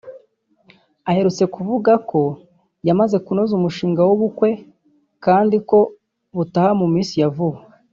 Aherutse kuvuga ko yamaze kunoza umushinga w’ubukwe kandi ko butaha mu minsi ya vuba